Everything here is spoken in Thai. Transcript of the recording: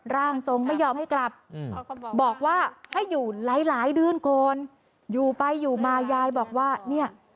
ร่างทรงไม่ยอมให้กลับบอกว่าให้อยู่หลายดื่นคนอยู่ไปอยู่มายายบอกว่า